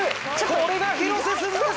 これが広瀬すずです！